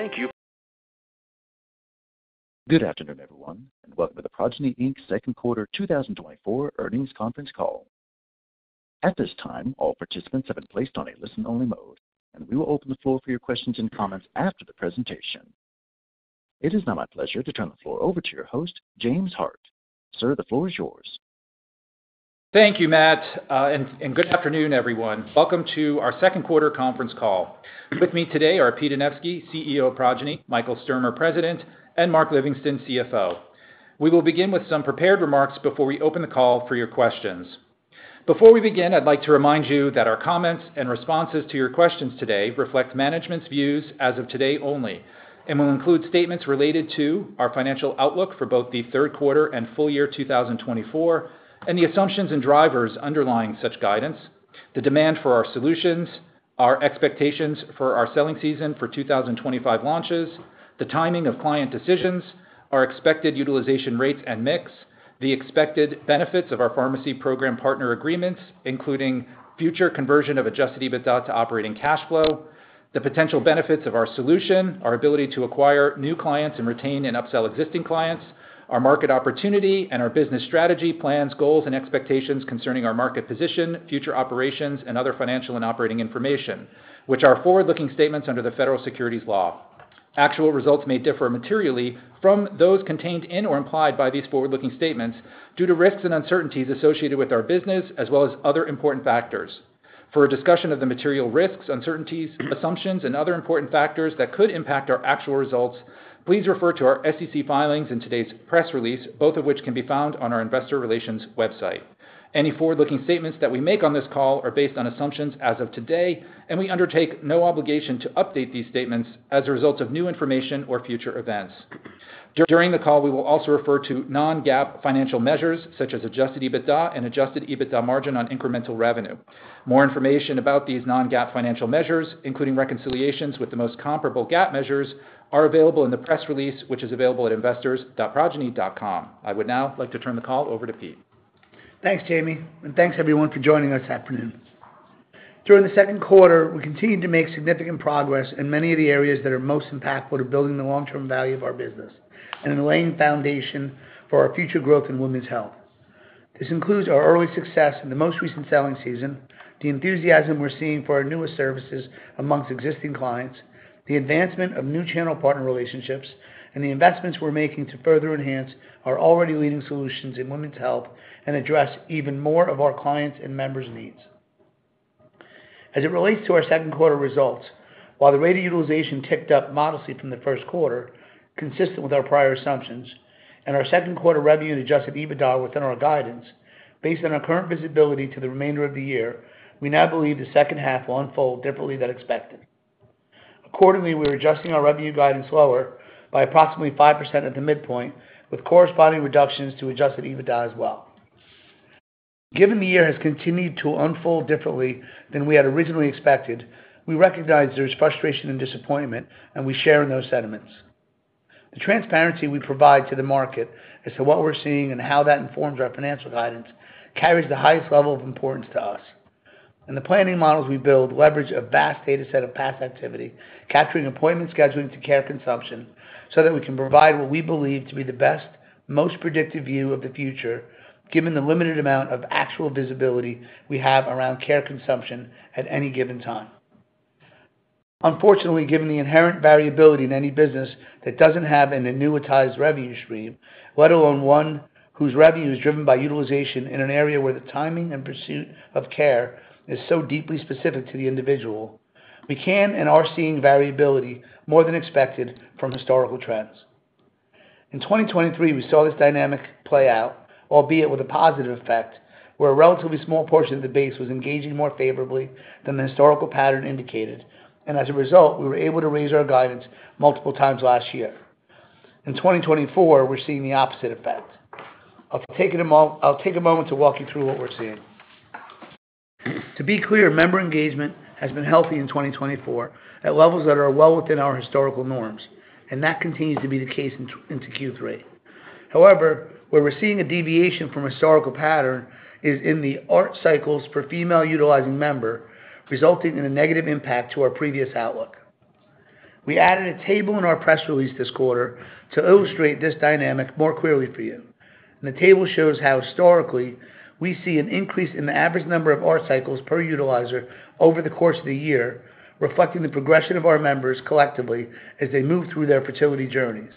Thank you. Good afternoon, everyone, and welcome to the Progyny, Inc.'s second quarter 2024 earnings conference call. At this time, all participants have been placed on a listen-only mode, and we will open the floor for your questions and comments after the presentation. It is now my pleasure to turn the floor over to your host, James Hart. Sir, the floor is yours. Thank you, Matt, and good afternoon, everyone. Welcome to our second quarter conference call. With me today are Pete Anevski, CEO of Progyny, Michael Sturmer, President, and Mark Livingston, CFO. We will begin with some prepared remarks before we open the call for your questions. Before we begin, I'd like to remind you that our comments and responses to your questions today reflect management's views as of today only and will include statements related to our financial outlook for both the third quarter and full year 2024, and the assumptions and drivers underlying such guidance, the demand for our solutions, our expectations for our selling season for 2025 launches, the timing of client decisions, our expected utilization rates and mix, the expected benefits of our pharmacy program partner agreements, including future conversion of Adjusted EBITDA to operating cash flow, the potential benefits of our solution, our ability to acquire new clients and retain and upsell existing clients, our market opportunity and our business strategy, plans, goals, and expectations concerning our market position, future operations, and other financial and operating information, which are forward-looking statements under the federal securities laws. Actual results may differ materially from those contained in or implied by these forward-looking statements due to risks and uncertainties associated with our business, as well as other important factors. For a discussion of the material risks, uncertainties, assumptions, and other important factors that could impact our actual results, please refer to our SEC filings in today's press release, both of which can be found on our investor relations website. Any forward-looking statements that we make on this call are based on assumptions as of today, and we undertake no obligation to update these statements as a result of new information or future events. During the call, we will also refer to non-GAAP financial measures such as Adjusted EBITDA and Adjusted EBITDA margin on incremental revenue. More information about these non-GAAP financial measures, including reconciliations with the most comparable GAAP measures, are available in the press release, which is available at investors.progyny.com. I would now like to turn the call over to Pete. Thanks, Jamie, and thanks everyone for joining us this afternoon. During the second quarter, we continued to make significant progress in many of the areas that are most impactful to building the long-term value of our business and in laying foundation for our future growth in women's health. This includes our early success in the most recent selling season, the enthusiasm we're seeing for our newest services amongst existing clients, the advancement of new channel partner relationships, and the investments we're making to further enhance our already leading solutions in women's health and address even more of our clients' and members' needs. As it relates to our second quarter results, while the rate of utilization ticked up modestly from the first quarter, consistent with our prior assumptions, and our second quarter revenue and Adjusted EBITDA within our guidance, based on our current visibility to the remainder of the year, we now believe the second half will unfold differently than expected. Accordingly, we're adjusting our revenue guidance lower by approximately 5% at the midpoint, with corresponding reductions to Adjusted EBITDA as well. Given the year has continued to unfold differently than we had originally expected, we recognize there's frustration and disappointment, and we share in those sentiments. The transparency we provide to the market as to what we're seeing and how that informs our financial guidance, carries the highest level of importance to us, and the planning models we build leverage a vast data set of past activity, capturing appointment scheduling to care consumption, so that we can provide what we believe to be the best, most predictive view of the future, given the limited amount of actual visibility we have around care consumption at any given time. Unfortunately, given the inherent variability in any business that doesn't have an annuitized revenue stream, let alone one whose revenue is driven by utilization in an area where the timing and pursuit of care is so deeply specific to the individual, we can and are seeing variability more than expected from historical trends. In 2023, we saw this dynamic play out, albeit with a positive effect, where a relatively small portion of the base was engaging more favorably than the historical pattern indicated, and as a result, we were able to raise our guidance multiple times last year. In 2024, we're seeing the opposite effect. I'll take a moment to walk you through what we're seeing. To be clear, member engagement has been healthy in 2024 at levels that are well within our historical norms, and that continues to be the case into Q3. However, where we're seeing a deviation from historical pattern is in the ART cycles per female utilizing member, resulting in a negative impact to our previous outlook. We added a table in our press release this quarter to illustrate this dynamic more clearly for you. The table shows how historically, we see an increase in the average number of ART cycles per utilizer over the course of the year, reflecting the progression of our members collectively as they move through their fertility journeys.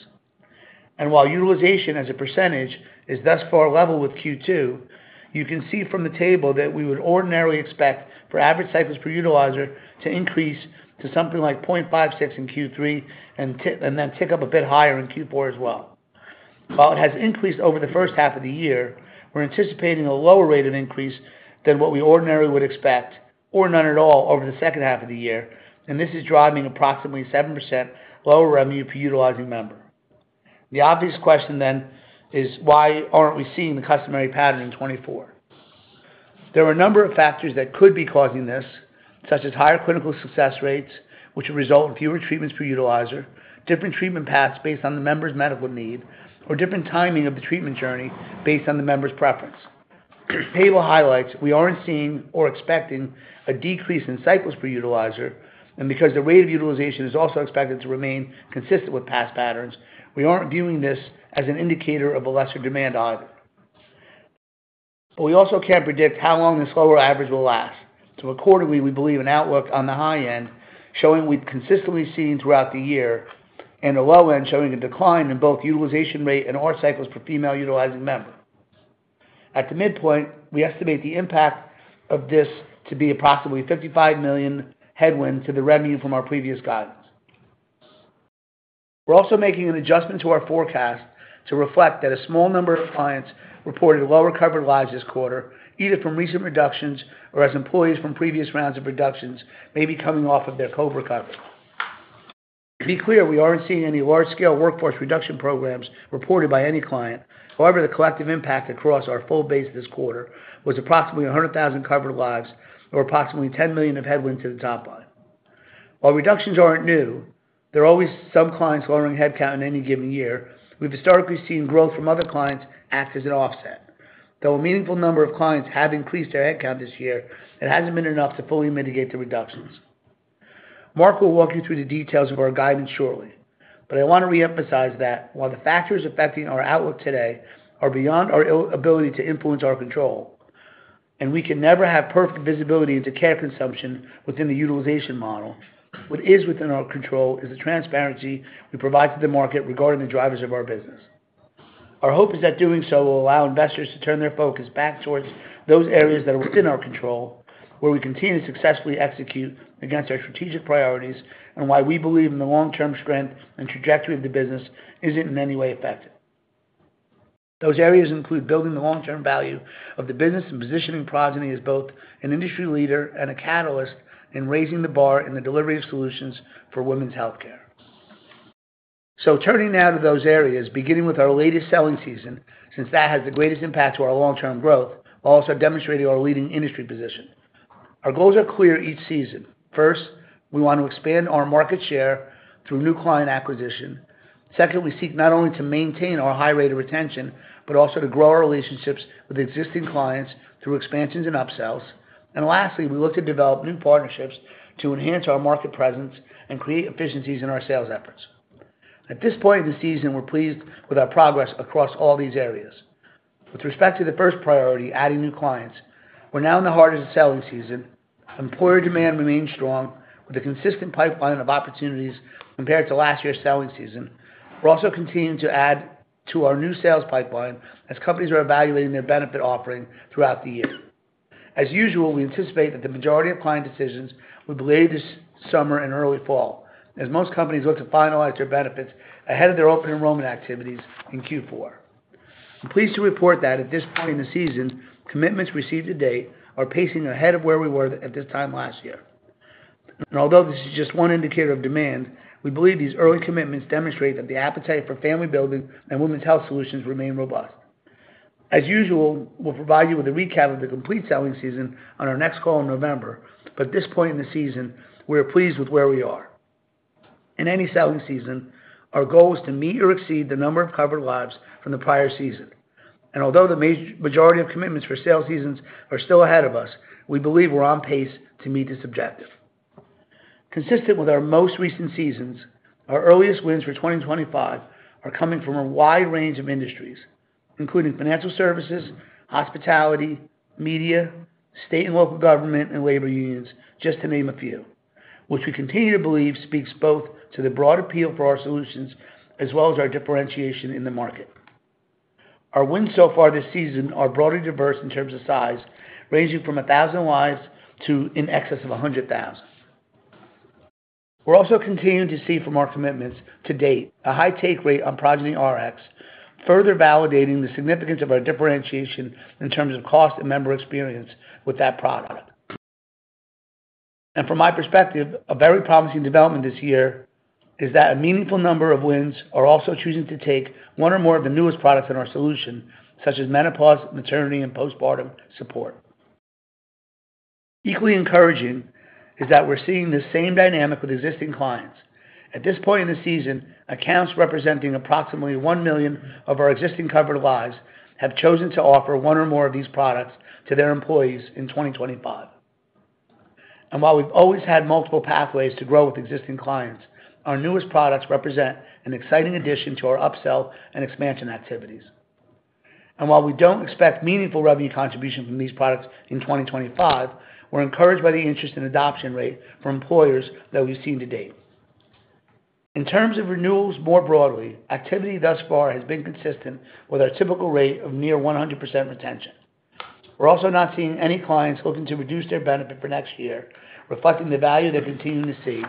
And while utilization as a percentage is thus far level with Q2, you can see from the table that we would ordinarily expect for average cycles per utilizer to increase to something like 0.56 in Q3 and then tick up a bit higher in Q4 as well. While it has increased over the first half of the year, we're anticipating a lower rate of increase than what we ordinarily would expect or none at all over the second half of the year, and this is driving approximately 7% lower revenue per utilizing member. The obvious question then is, why aren't we seeing the customary pattern in 2024? There are a number of factors that could be causing this, such as higher clinical success rates, which result in fewer treatments per utilizer, different treatment paths based on the member's medical need, or different timing of the treatment journey based on the member's preference.... table highlights, we aren't seeing or expecting a decrease in cycles per utilizer, and because the rate of utilization is also expected to remain consistent with past patterns, we aren't viewing this as an indicator of a lesser demand either. But we also can't predict how long this lower average will last. So quarterly, we believe in outlook on the high end, showing we've consistently seen throughout the year, and the low end, showing a decline in both utilization rate and ART cycles for female utilizing members. At the midpoint, we estimate the impact of this to be approximately $55 million headwind to the revenue from our previous guidance. We're also making an adjustment to our forecast to reflect that a small number of clients reported lower covered lives this quarter, either from recent reductions or as employees from previous rounds of reductions may be coming off of their COVID coverage. To be clear, we aren't seeing any large-scale workforce reduction programs reported by any client. However, the collective impact across our full base this quarter was approximately 100,000 covered lives or approximately $10 million of headwind to the top line. While reductions aren't new, there are always some clients lowering headcount in any given year. We've historically seen growth from other clients act as an offset. Though a meaningful number of clients have increased their headcount this year, it hasn't been enough to fully mitigate the reductions. Mark will walk you through the details of our guidance shortly, but I wanna reemphasize that while the factors affecting our outlook today are beyond our ability to influence our control, and we can never have perfect visibility into care consumption within the utilization model, what is within our control is the transparency we provide to the market regarding the drivers of our business. Our hope is that doing so will allow investors to turn their focus back towards those areas that are within our control, where we continue to successfully execute against our strategic priorities, and why we believe in the long-term strength and trajectory of the business isn't in any way affected. Those areas include building the long-term value of the business and positioning Progyny as both an industry leader and a catalyst in raising the bar in the delivery of solutions for women's healthcare. So turning now to those areas, beginning with our latest selling season, since that has the greatest impact to our long-term growth, while also demonstrating our leading industry position. Our goals are clear each season. First, we want to expand our market share through new client acquisition. Secondly, we seek not only to maintain our high rate of retention, but also to grow our relationships with existing clients through expansions and upsells. And lastly, we look to develop new partnerships to enhance our market presence and create efficiencies in our sales efforts. At this point in the season, we're pleased with our progress across all these areas. With respect to the first priority, adding new clients, we're now in the heart of the selling season. Employer demand remains strong, with a consistent pipeline of opportunities compared to last year's selling season. We're also continuing to add to our new sales pipeline as companies are evaluating their benefit offering throughout the year. As usual, we anticipate that the majority of client decisions will be made this summer and early fall, as most companies look to finalize their benefits ahead of their open enrollment activities in Q4. I'm pleased to report that at this point in the season, commitments received to date are pacing ahead of where we were at this time last year. Although this is just one indicator of demand, we believe these early commitments demonstrate that the appetite for family building and women's health solutions remain robust. As usual, we'll provide you with a recap of the complete selling season on our next call in November, but at this point in the season, we are pleased with where we are. In any selling season, our goal is to meet or exceed the number of covered lives from the prior season. Although the majority of commitments for sale seasons are still ahead of us, we believe we're on pace to meet this objective. Consistent with our most recent seasons, our earliest wins for 2025 are coming from a wide range of industries, including financial services, hospitality, media, state and local government, and labor unions, just to name a few, which we continue to believe speaks both to the broad appeal for our solutions, as well as our differentiation in the market. Our wins so far this season are broad and diverse in terms of size, ranging from 1,000 lives to in excess of 100,000. We're also continuing to see from our commitments to date, a high take rate on Progyny ART, further validating the significance of our differentiation in terms of cost and member experience with that product. From my perspective, a very promising development this year is that a meaningful number of wins are also choosing to take one or more of the newest products in our solution, such as menopause, maternity, and postpartum support. Equally encouraging is that we're seeing the same dynamic with existing clients. At this point in the season, accounts representing approximately 1 million of our existing covered lives have chosen to offer one or more of these products to their employees in 2025. While we've always had multiple pathways to grow with existing clients, our newest products represent an exciting addition to our upsell and expansion activities. While we don't expect meaningful revenue contribution from these products in 2025, we're encouraged by the interest in adoption rate for employers that we've seen to date. In terms of renewals, more broadly, activity thus far has been consistent with our typical rate of near 100% retention. We're also not seeing any clients looking to reduce their benefit for next year, reflecting the value they're continuing to see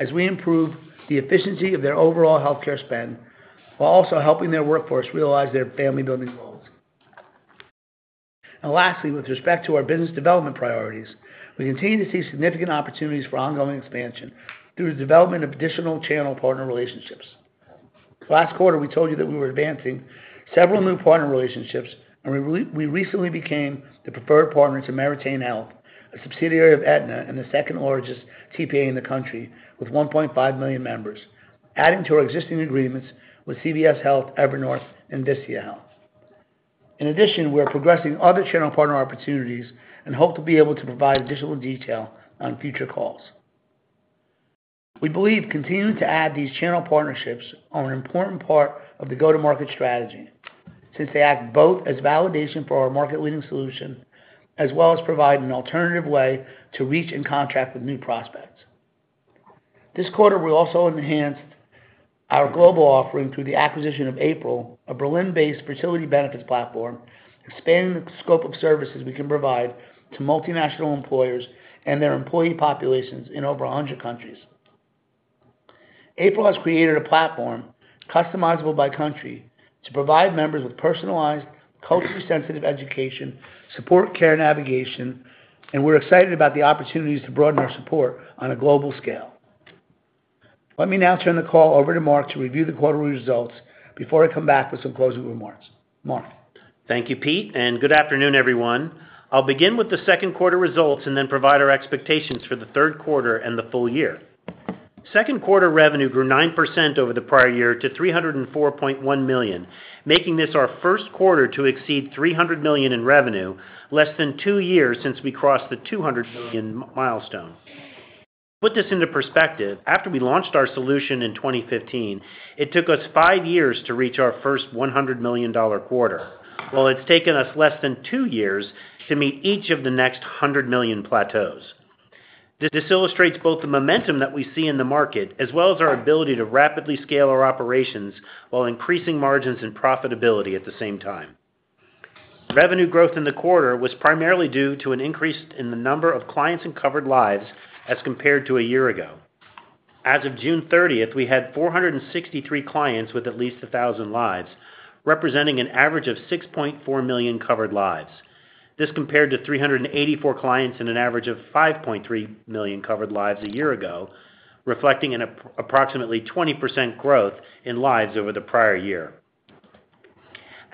as we improve the efficiency of their overall healthcare spend, while also helping their workforce realize their family-building goals. Lastly, with respect to our business development priorities, we continue to see significant opportunities for ongoing expansion through the development of additional channel partner relationships. Last quarter, we told you that we were advancing several new partner relationships, and we recently became the preferred partner to Meritain Health, a subsidiary of Aetna and the second largest TPA in the country, with 1.5 million members, adding to our existing agreements with CVS Health, Evernorth, and Castlight Health. In addition, we are progressing other channel partner opportunities and hope to be able to provide additional detail on future calls. We believe continuing to add these channel partnerships are an important part of the go-to-market strategy, since they act both as validation for our market-leading solution, as well as provide an alternative way to reach and contract with new prospects. This quarter, we also enhanced our global offering through the acquisition of Apryl, a Berlin-based fertility benefits platform, expanding the scope of services we can provide to multinational employers and their employee populations in over a hundred countries. Apryl has created a platform, customizable by country, to provide members with personalized, culturally sensitive education, support, care navigation, and we're excited about the opportunities to broaden our support on a global scale. Let me now turn the call over to Mark to review the quarterly results before I come back with some closing remarks. Mark? Thank you, Pete, and good afternoon, everyone. I'll begin with the second quarter results and then provide our expectations for the third quarter and the full year. Second quarter revenue grew 9% over the prior year to $304.1 million, making this our first quarter to exceed $300 million in revenue, less than two years since we crossed the $200 million milestone. To put this into perspective, after we launched our solution in 2015, it took us five years to reach our first $100 million quarter. While it's taken us less than two years to meet each of the next $100 million plateaus. This illustrates both the momentum that we see in the market, as well as our ability to rapidly scale our operations while increasing margins and profitability at the same time. Revenue growth in the quarter was primarily due to an increase in the number of clients and covered lives as compared to a year ago. As of June 30th, we had 463 clients with at least 1,000 lives, representing an average of 6.4 million covered lives. This compared to 384 clients in an average of 5.3 million covered lives a year ago, reflecting approximately 20% growth in lives over the prior year.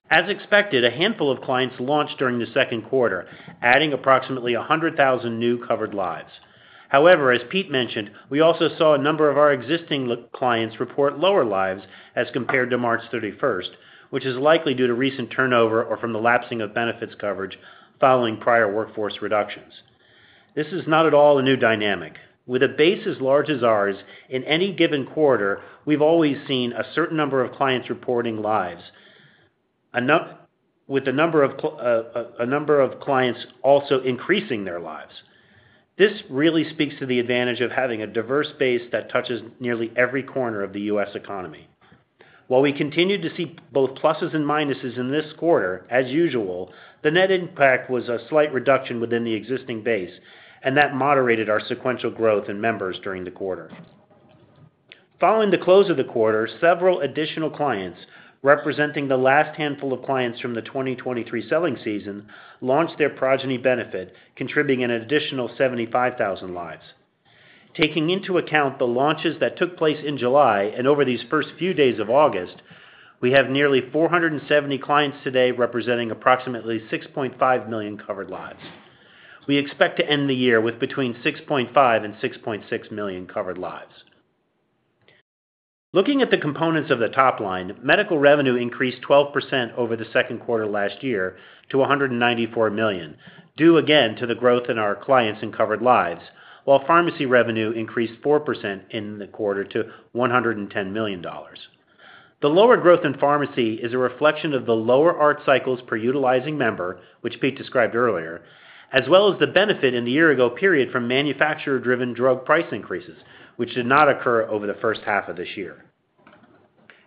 As expected, a handful of clients launched during the second quarter, adding approximately 100,000 new covered lives. However, as Pete mentioned, we also saw a number of our existing clients report lower lives as compared to March 31st, which is likely due to recent turnover or from the lapsing of benefits coverage following prior workforce reductions. This is not at all a new dynamic. With a base as large as ours, in any given quarter, we've always seen a certain number of clients reporting lives. With a number of clients also increasing their lives. This really speaks to the advantage of having a diverse base that touches nearly every corner of the U.S. economy. While we continued to see both pluses and minuses in this quarter, as usual, the net impact was a slight reduction within the existing base, and that moderated our sequential growth in members during the quarter. Following the close of the quarter, several additional clients, representing the last handful of clients from the 2023 selling season, launched their Progyny benefit, contributing an additional 75,000 lives. Taking into account the launches that took place in July and over these first few days of August, we have nearly 470 clients today, representing approximately 6.5 million covered lives. We expect to end the year with between 6.5 and 6.6 million covered lives. Looking at the components of the top line, medical revenue increased 12% over the second quarter last year to $194 million, due again to the growth in our clients and covered lives, while pharmacy revenue increased 4% in the quarter to $110 million. The lower growth in pharmacy is a reflection of the lower ART cycles per utilizing member, which Pete described earlier, as well as the benefit in the year ago period from manufacturer-driven drug price increases, which did not occur over the first half of this year.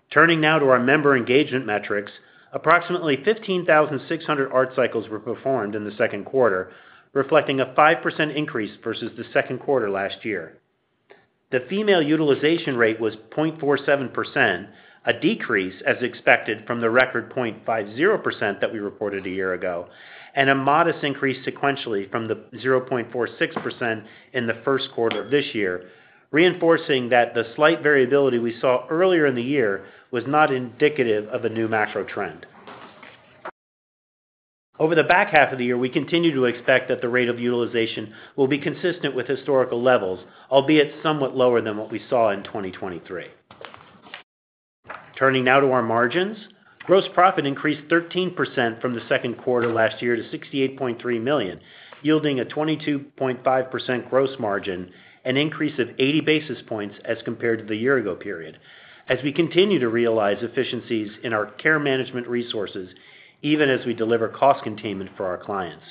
Turning now to our member engagement metrics, approximately 15,600 ART cycles were performed in the second quarter, reflecting a 5% increase versus the second quarter last year. The female utilization rate was 0.47%, a decrease, as expected, from the record 0.50% that we reported a year ago, and a modest increase sequentially from the 0.46% in the first quarter of this year, reinforcing that the slight variability we saw earlier in the year was not indicative of a new macro trend. Over the back half of the year, we continue to expect that the rate of utilization will be consistent with historical levels, albeit somewhat lower than what we saw in 2023. Turning now to our margins. Gross profit increased 13% from the second quarter last year to $68.3 million, yielding a 22.5% gross margin, an increase of 80 basis points as compared to the year ago period, as we continue to realize efficiencies in our care management resources, even as we deliver cost containment for our clients.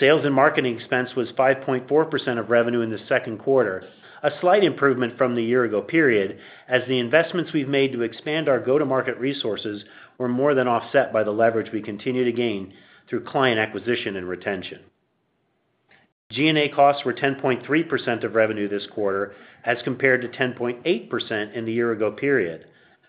Sales and marketing expense was 5.4% of revenue in the second quarter, a slight improvement from the year ago period, as the investments we've made to expand our go-to-market resources were more than offset by the leverage we continue to gain through client acquisition and retention. SG&A costs were 10.3% of revenue this quarter, as compared to 10.8% in the year ago period.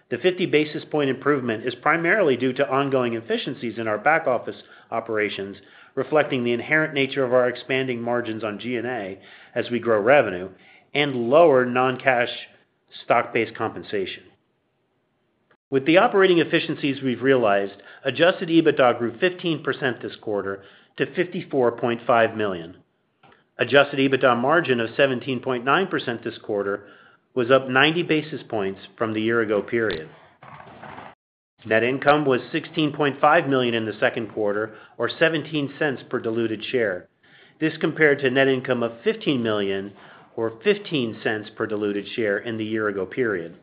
The 50 basis point improvement is primarily due to ongoing efficiencies in our back-office operations, reflecting the inherent nature of our expanding margins on SG&A as we grow revenue and lower non-cash stock-based compensation. With the operating efficiencies we've realized, adjusted EBITDA grew 15% this quarter to $54.5 million. Adjusted EBITDA margin of 17.9% this quarter was up 90 basis points from the year ago period. Net income was $16.5 million in the second quarter, or $0.17 per diluted share. This compared to net income of $15 million or $0.15 per diluted share in the year ago period.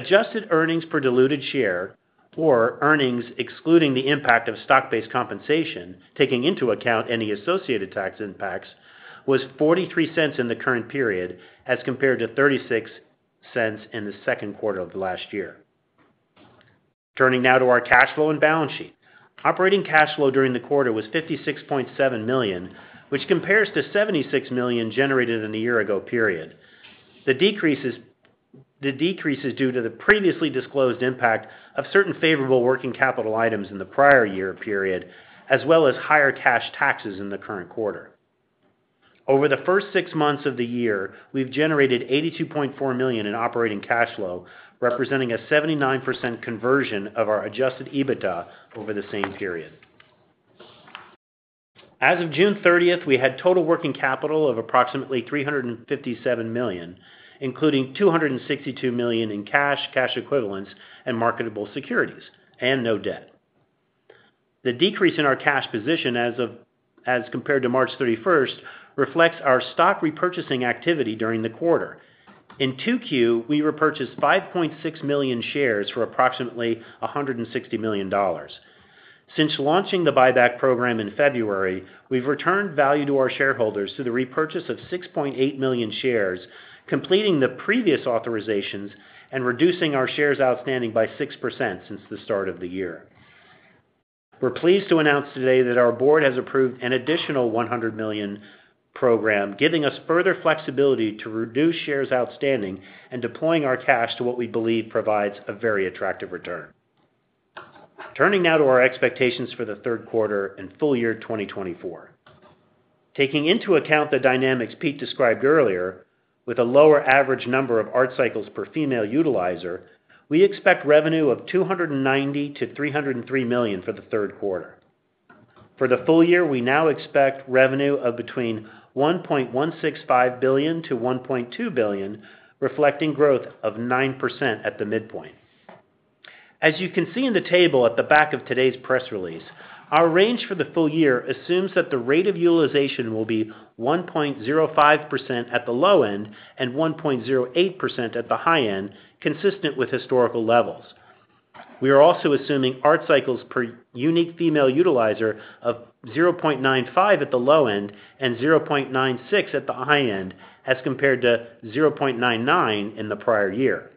Adjusted earnings per diluted share, or earnings excluding the impact of stock-based compensation, taking into account any associated tax impacts, was $0.43 in the current period, as compared to $0.36 in the second quarter of last year. Turning now to our cash flow and balance sheet. Operating cash flow during the quarter was $56.7 million, which compares to $76 million generated in the year ago period. The decrease is due to the previously disclosed impact of certain favorable working capital items in the prior year period, as well as higher cash taxes in the current quarter. Over the first six months of the year, we've generated $82.4 million in operating cash flow, representing a 79% conversion of our Adjusted EBITDA over the same period. As of June 30, we had total working capital of approximately $357 million, including $262 million in cash, cash equivalents, and marketable securities, and no debt. The decrease in our cash position as compared to March 31 reflects our stock repurchasing activity during the quarter. In 2Q, we repurchased 5.6 million shares for approximately $160 million. Since launching the buyback program in February, we've returned value to our shareholders through the repurchase of 6.8 million shares, completing the previous authorizations and reducing our shares outstanding by 6% since the start of the year. We're pleased to announce today that our board has approved an additional $100 million program, giving us further flexibility to reduce shares outstanding and deploying our cash to what we believe provides a very attractive return. Turning now to our expectations for the third quarter and full year 2024. Taking into account the dynamics Pete described earlier, with a lower average number of ART cycles per female utilizer, we expect revenue of $290 million-$303 million for the third quarter. For the full year, we now expect revenue of between $1.165 billion-$1.2 billion, reflecting growth of 9% at the midpoint. As you can see in the table at the back of today's press release, our range for the full year assumes that the rate of utilization will be 1.05% at the low end and 1.08% at the high end, consistent with historical levels. We are also assuming ART cycles per unique female utilizer of 0.95 at the low end and 0.96 at the high end, as compared to 0.99 in the prior year.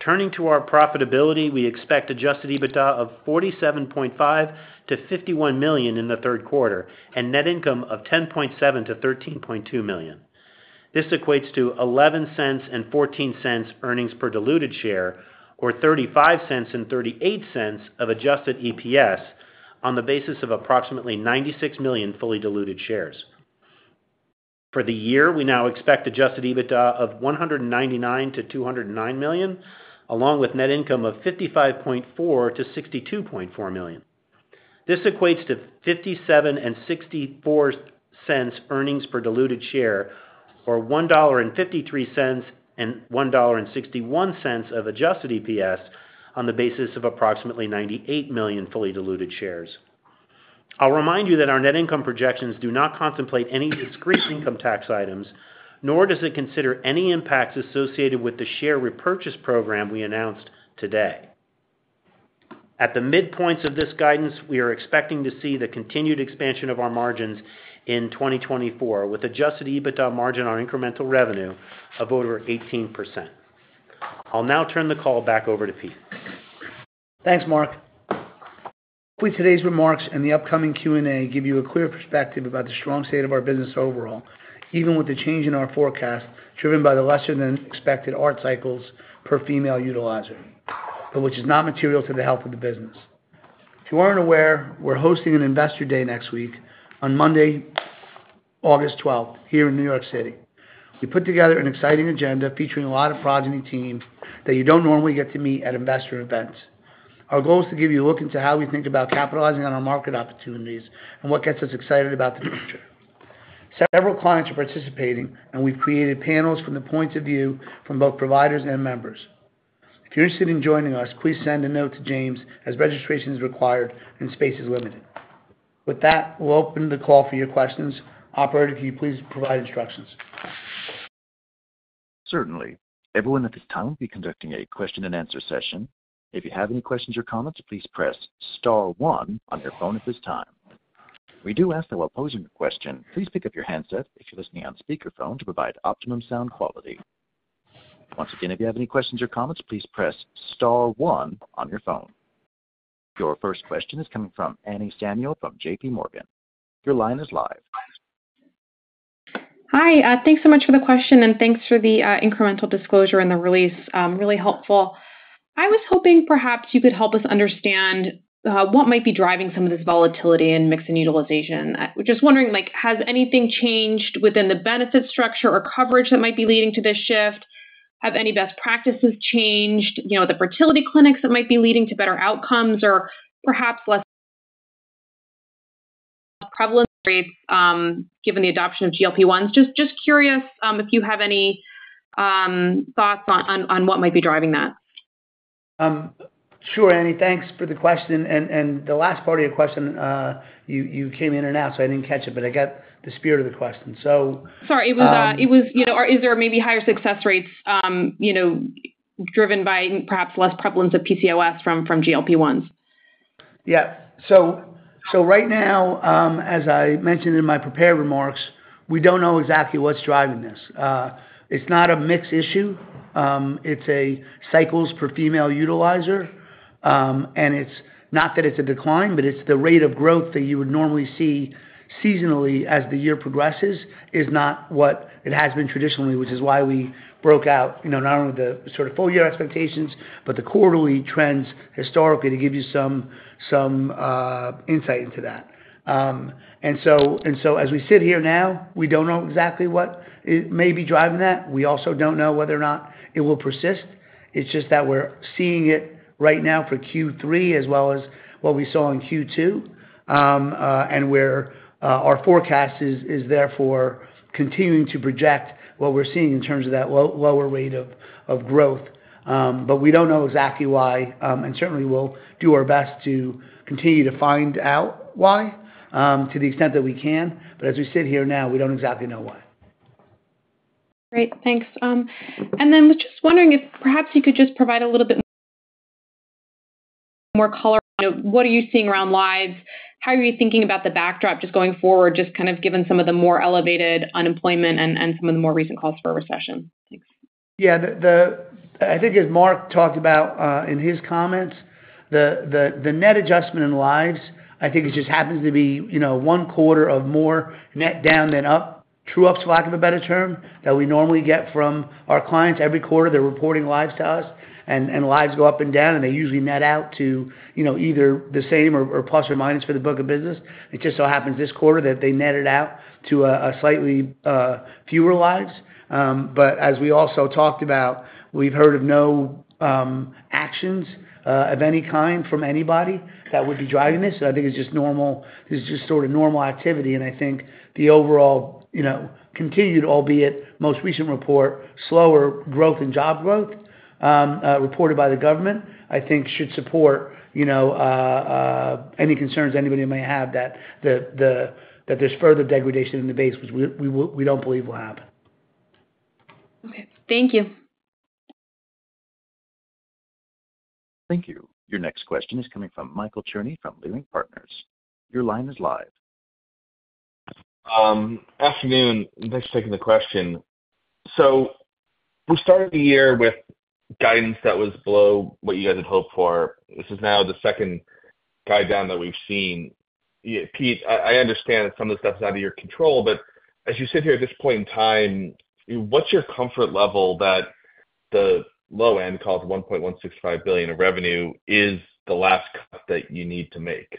Turning to our profitability, we expect Adjusted EBITDA of $47.5-$51 million in the third quarter, and net income of $10.7-$13.2 million. This equates to $0.11 and $0.14 earnings per diluted share, or $0.35 and $0.38 of adjusted EPS on the basis of approximately 96 million fully diluted shares. For the year, we now expect Adjusted EBITDA of $199-$209 million, along with net income of $55.4-$62.4 million. This equates to $0.57-$0.64 earnings per diluted share, or $1.53-$1.61 of adjusted EPS on the basis of approximately 98 million fully diluted shares. I'll remind you that our net income projections do not contemplate any discrete income tax items, nor does it consider any impacts associated with the share repurchase program we announced today. At the midpoints of this guidance, we are expecting to see the continued expansion of our margins in 2024, with Adjusted EBITDA margin on incremental revenue of over 18%. I'll now turn the call back over to Pete. Thanks, Mark. With today's remarks and the upcoming Q&A, give you a clear perspective about the strong state of our business overall, even with the change in our forecast, driven by the lesser than expected ART cycles per female utilizer, but which is not material to the health of the business. If you aren't aware, we're hosting an Investor Day next week on Monday, August 12th, here in New York City. We put together an exciting agenda featuring a lot of Progyny team that you don't normally get to meet at investor events. Our goal is to give you a look into how we think about capitalizing on our market opportunities and what gets us excited about the future. Several clients are participating, and we've created panels from the points of view from both providers and members. If you're interested in joining us, please send a note to James, as registration is required and space is limited. With that, we'll open the call for your questions. Operator, can you please provide instructions? Certainly. Everyone at this time, we'll be conducting a question and answer session. If you have any questions or comments, please press star one on your phone at this time. We do ask that while posing your question, please pick up your handset if you're listening on speakerphone to provide optimum sound quality. Once again, if you have any questions or comments, please press star one on your phone. Your first question is coming from Annie Samuel from J.P. Morgan. Your line is live. Hi, thanks so much for the question, and thanks for the incremental disclosure and the release. Really helpful. I was hoping perhaps you could help us understand what might be driving some of this volatility in mix and utilization. We're just wondering, like, has anything changed within the benefit structure or coverage that might be leading to this shift? Have any best practices changed? You know, the fertility clinics that might be leading to better outcomes or perhaps less prevalence rates, given the adoption of GLP-1s. Just curious if you have any thoughts on what might be driving that? Sure, Annie. Thanks for the question. And the last part of your question, you came in and out, so I didn't catch it, but I got the spirit of the question. So, Sorry, it was, you know, or is there maybe higher success rates, you know, driven by perhaps less prevalence of PCOS from GLP-1s? Yeah. So right now, as I mentioned in my prepared remarks, we don't know exactly what's driving this. It's not a mixed issue. It's a cycles per female utilizer. And it's not that it's a decline, but it's the rate of growth that you would normally see seasonally as the year progresses, is not what it has been traditionally, which is why we broke out, you know, not only the sort of full year expectations, but the quarterly trends historically to give you some insight into that. And so as we sit here now, we don't know exactly what it may be driving that. We also don't know whether or not it will persist. It's just that we're seeing it right now for Q3 as well as what we saw in Q2. And where our forecast is therefore continuing to project what we're seeing in terms of that lower rate of growth. But we don't know exactly why, and certainly we'll do our best to continue to find out why, to the extent that we can. But as we sit here now, we don't exactly know why. Great, thanks. And then was just wondering if perhaps you could just provide a little bit more color on what are you seeing around lives? How are you thinking about the backdrop just going forward, just kind of given some of the more elevated unemployment and some of the more recent calls for a recession. Thanks. Yeah. I think as Mark talked about in his comments, the net adjustment in lives, I think it just happens to be, you know, one quarter of more net down than up, true ups, for lack of a better term, that we normally get from our clients. Every quarter, they're reporting lives to us, and lives go up and down, and they usually net out to, you know, either the same or plus or minus for the book of business. It just so happens this quarter that they netted out to a slightly fewer lives. But as we also talked about, we've heard of no actions of any kind from anybody that would be driving this. I think it's just normal, it's just sort of normal activity, and I think the overall, you know, continued, albeit most recent report, slower growth and job growth, reported by the government, I think should support, you know, any concerns anybody may have that that there's further degradation in the base, which we don't believe will happen. Okay, thank you. Thank you. Your next question is coming from Michael Cherny, from Leerink Partners. Your line is live. Afternoon, and thanks for taking the question. So we started the year with guidance that was below what you guys had hoped for. This is now the second guide down that we've seen. Pete, I understand that some of the stuff's out of your control, but as you sit here at this point in time, what's your comfort level that the low end, call it $1.165 billion of revenue, is the last cut that you need to make?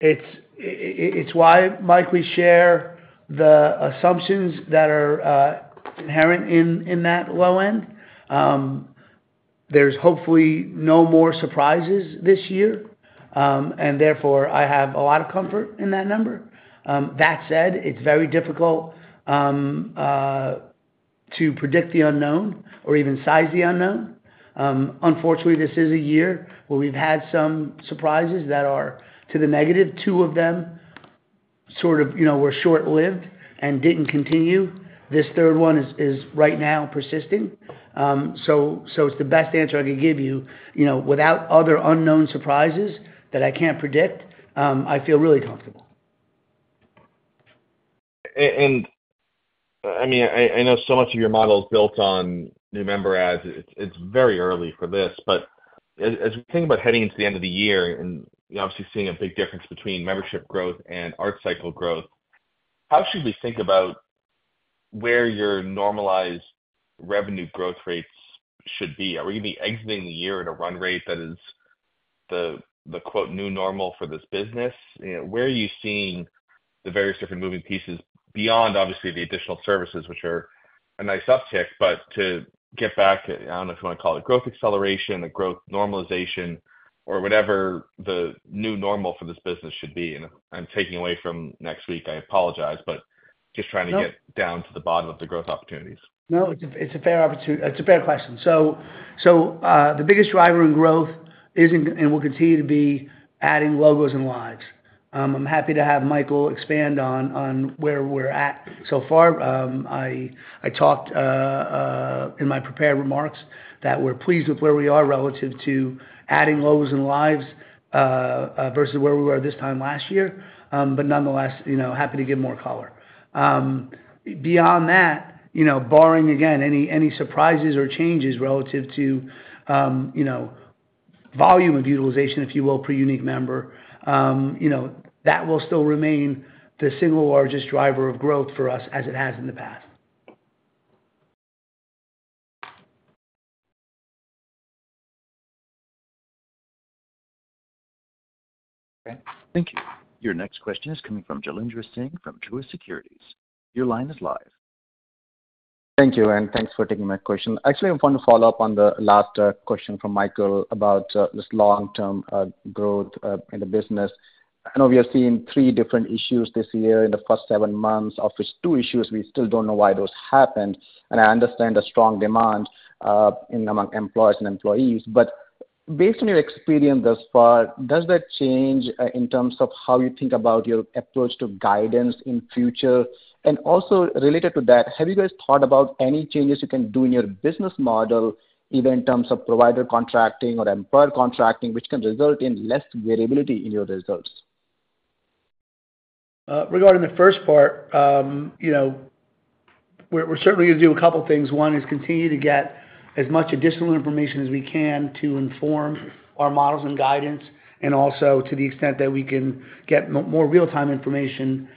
It's why, Mike, we share the assumptions that are inherent in that low end. There's hopefully no more surprises this year, and therefore, I have a lot of comfort in that number. That said, it's very difficult to predict the unknown or even size the unknown. Unfortunately, this is a year where we've had some surprises that are to the negative. Two of them sort of, you know, were short-lived and didn't continue. This third one is right now persisting. So it's the best answer I can give you. You know, without other unknown surprises that I can't predict, I feel really comfortable. And, I mean, I know so much of your model is built on new member adds. It's very early for this, but as we think about heading into the end of the year and obviously seeing a big difference between membership growth and art cycle growth, how should we think about where your normalized revenue growth rates should be? Are we gonna be exiting the year at a run rate that is the quote, "new normal" for this business? You know, where are you seeing the various different moving pieces beyond obviously the additional services, which are a nice uptick, but to get back, I don't know if you want to call it growth acceleration, a growth normalization, or whatever the new normal for this business should be? And I'm taking away from next week, I apologize, but just trying to get- No. down to the bottom of the growth opportunities. No, it's a fair question. So, the biggest driver in growth is and will continue to be adding logos and lives. I'm happy to have Michael expand on where we're at so far. I talked in my prepared remarks that we're pleased with where we are relative to adding logos and lives versus where we were this time last year. But nonetheless, you know, happy to give more color. Beyond that, you know, barring again any surprises or changes relative to, you know, volume of utilization, if you will, per unique member, you know, that will still remain the single largest driver of growth for us as it has in the past.... Thank you. Your next question is coming from Jailendra Singh from Truist Securities. Your line is live. Thank you, and thanks for taking my question. Actually, I want to follow up on the last question from Michael about this long-term growth in the business. I know we are seeing three different issues this year in the first seven months, of which two issues we still don't know why those happened. And I understand the strong demand in among employers and employees. But based on your experience thus far, does that change in terms of how you think about your approach to guidance in future? And also, related to that, have you guys thought about any changes you can do in your business model, even in terms of provider contracting or employer contracting, which can result in less variability in your results? Regarding the first part, you know, we're certainly going to do a couple things. One is continue to get as much additional information as we can to inform our models and guidance, and also to the extent that we can get more real-time information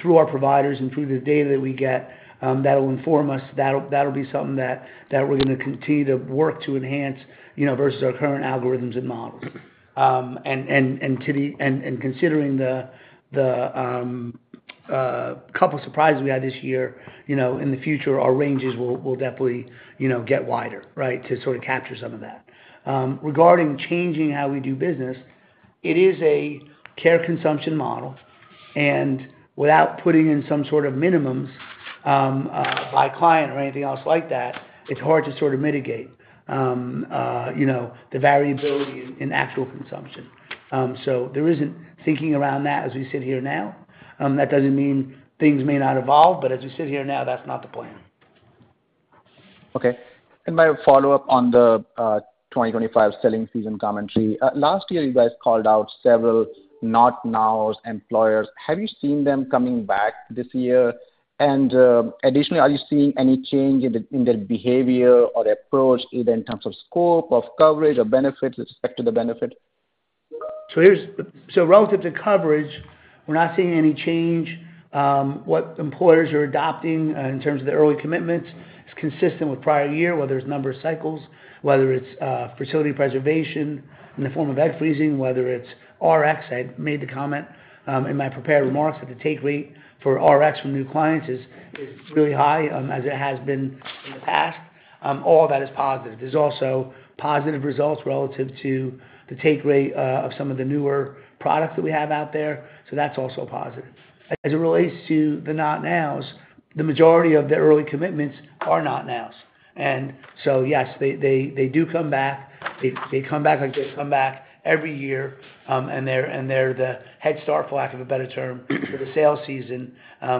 through our providers and through the data that we get, that'll inform us. That'll be something that we're going to continue to work to enhance, you know, versus our current algorithms and models. And considering the couple surprises we had this year, you know, in the future, our ranges will definitely, you know, get wider, right, to sort of capture some of that. Regarding changing how we do business, it is a care consumption model, and without putting in some sort of minimums, by client or anything else like that, it's hard to sort of mitigate, you know, the variability in, in actual consumption. So there isn't thinking around that as we sit here now. That doesn't mean things may not evolve, but as we sit here now, that's not the plan. Okay. And my follow-up on the 2025 selling season commentary. Last year, you guys called out several not nows employers. Have you seen them coming back this year? And, additionally, are you seeing any change in their behavior or approach, either in terms of scope, of coverage or benefits with respect to the benefit? So relative to coverage, we're not seeing any change. What employers are adopting in terms of the early commitments is consistent with prior year, whether it's number of cycles, whether it's fertility preservation in the form of egg freezing, whether it's ART. I made the comment in my prepared remarks that the take rate for ART from new clients is really high, as it has been in the past. All that is positive. There's also positive results relative to the take rate of some of the newer products that we have out there, so that's also a positive. As it relates to the not nows, the majority of the early commitments are not nows. And so, yes, they do come back. They, they come back like they come back every year, and they're, and they're the head start, for lack of a better term, for the sales season,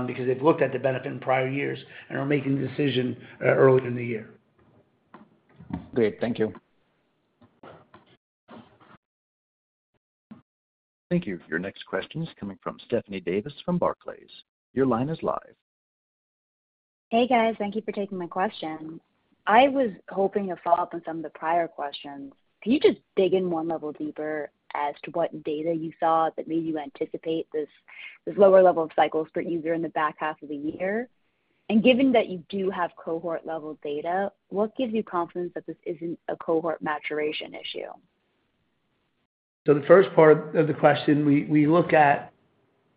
because they've looked at the benefit in prior years and are making the decision earlier in the year. Great. Thank you. Thank you. Your next question is coming from Stephanie Davis from Barclays. Your line is live. Hey, guys. Thank you for taking my question. I was hoping to follow up on some of the prior questions. Can you just dig in one level deeper as to what data you saw that made you anticipate this, this lower level of cycles for Q3 in the back half of the year? And given that you do have cohort level data, what gives you confidence that this isn't a cohort maturation issue? So the first part of the question, we look at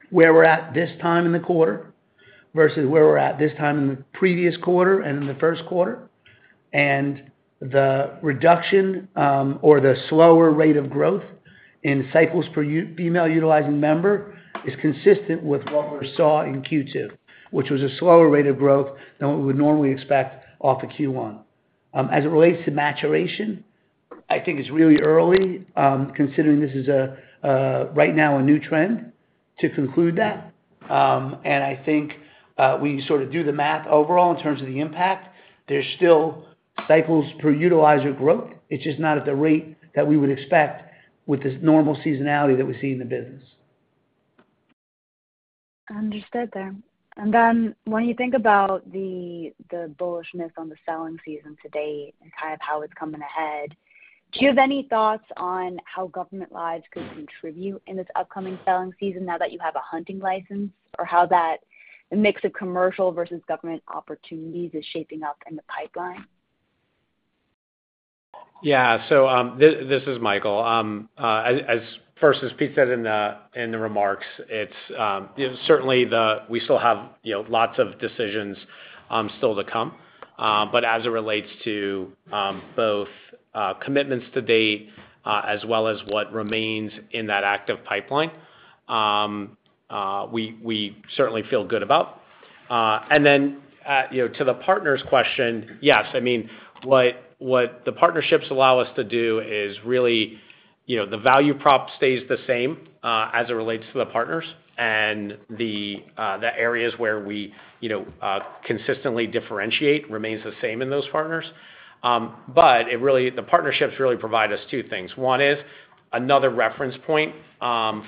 where we're at this time in the quarter, versus where we're at this time in the previous quarter and in the first quarter. And the reduction, or the slower rate of growth in cycles per female utilizing member, is consistent with what we saw in Q2, which was a slower rate of growth than what we would normally expect off of Q1. As it relates to maturation, I think it's really early, considering this is right now a new trend, to conclude that. And I think we sort of do the math overall in terms of the impact. There's still cycles per utilizer growth. It's just not at the rate that we would expect with this normal seasonality that we see in the business. Understood there. Then when you think about the bullishness on the selling season to date and kind of how it's coming ahead, do you have any thoughts on how government lives could contribute in this upcoming selling season, now that you have a hunting license? Or how that mix of commercial versus government opportunities is shaping up in the pipeline? Yeah. So, this is Michael. As Pete first said in the remarks, it's, you know, certainly. We still have, you know, lots of decisions still to come, but as it relates to both commitments to date as well as what remains in that active pipeline, we certainly feel good about. And then, you know, to the partners question, yes. I mean, what the partnerships allow us to do is really, you know, the value prop stays the same as it relates to the partners and the areas where we, you know, consistently differentiate remains the same in those partners. But it really, the partnerships really provide us two things. One is another reference point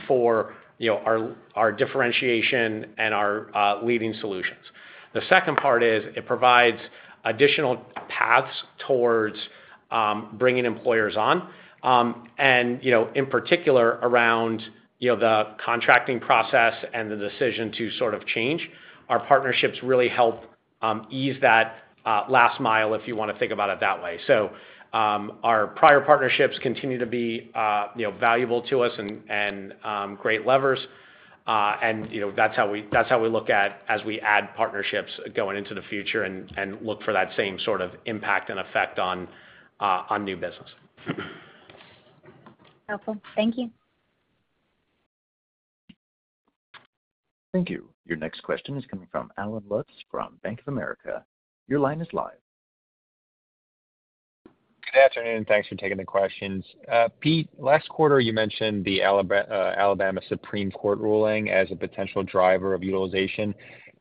for you know our differentiation and our leading solutions. The second part is it provides additional paths towards bringing employers on. And you know in particular around you know the contracting process and the decision to sort of change our partnerships really help ease that last mile if you wanna think about it that way. So our prior partnerships continue to be you know valuable to us and great levers. And you know that's how we look at as we add partnerships going into the future and look for that same sort of impact and effect on new business. Helpful. Thank you. Thank you. Your next question is coming from Allen Lutz from Bank of America. Your line is live. Good afternoon, thanks for taking the questions. Pete, last quarter, you mentioned the Alabama Supreme Court ruling as a potential driver of utilization.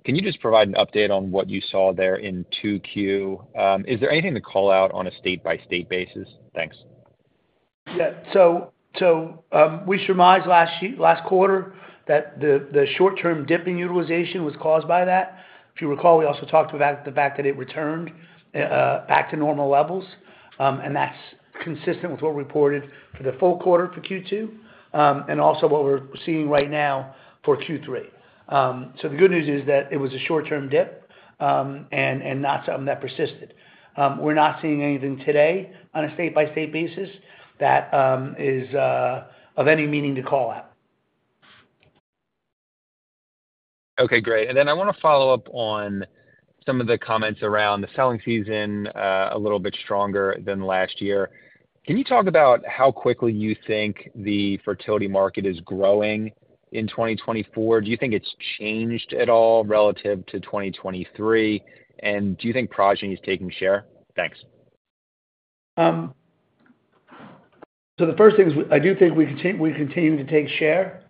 Can you just provide an update on what you saw there in 2Q? Is there anything to call out on a state-by-state basis? Thanks. Yeah, so, we surmised last quarter that the short-term dip in utilization was caused by that. If you recall, we also talked about the fact that it returned back to normal levels, and that's consistent with what we reported for the full quarter for Q2, and also what we're seeing right now for Q3. So the good news is that it was a short-term dip, and not something that persisted. We're not seeing anything today on a state-by-state basis that is of any meaning to call out. Okay, great. And then I wanna follow up on some of the comments around the selling season, a little bit stronger than last year. Can you talk about how quickly you think the fertility market is growing in 2024? Do you think it's changed at all relative to 2023? And do you think Progyny is taking share? Thanks. So the first thing is, I do think we continue to take share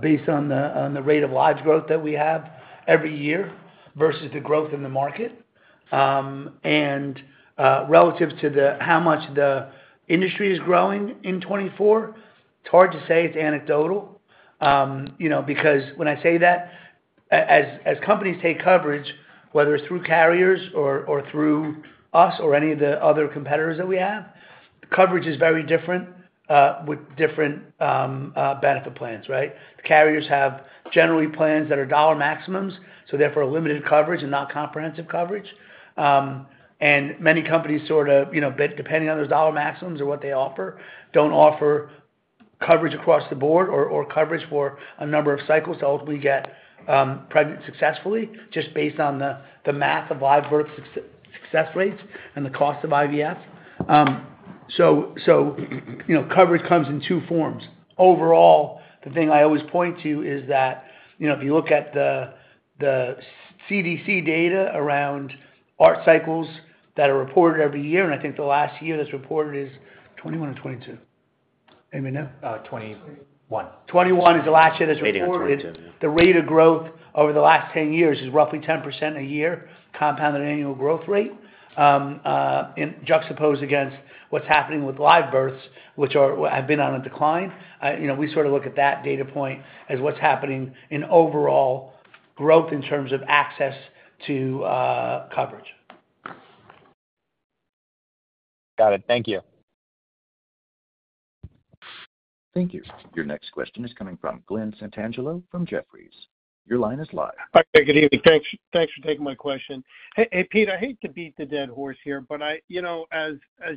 based on the rate of live growth that we have every year versus the growth in the market. And relative to how much the industry is growing in 2024, it's hard to say. It's anecdotal. You know, because when I say that, as companies take coverage, whether it's through carriers or through us, or any of the other competitors that we have, the coverage is very different with different benefit plans, right? The carriers have generally plans that are dollar maximums, so therefore, limited coverage and not comprehensive coverage. And many companies sort of, you know, but depending on those dollar maximums or what they offer, don't offer coverage across the board or coverage for a number of cycles to ultimately get pregnant successfully, just based on the math of live birth success rates and the cost of IVF. So, you know, coverage comes in two forms. Overall, the thing I always point to is that, you know, if you look at the CDC data around ART cycles that are reported every year, and I think the last year that's reported is 2021 or 2022. Anybody know? Uh, '21. 2021 is the last year that's reported. 2020 or 2022, yeah. The rate of growth over the last 10 years is roughly 10% a year, compounded annual growth rate. Juxtaposed against what's happening with live births, which have been on a decline. You know, we sort of look at that data point as what's happening in overall growth in terms of access to coverage. Got it. Thank you. Thank you. Your next question is coming from Glenn Santangelo from Jefferies. Your line is live. Hi there, good evening. Thanks, thanks for taking my question. Hey, hey, Pete, I hate to beat the dead horse here, but I, you know, as